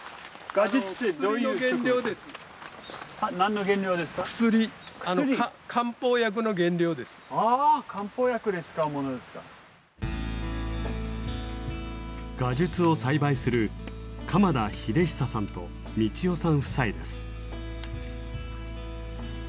ガジュツを栽培する鎌田秀久さんと三千代さん夫妻です。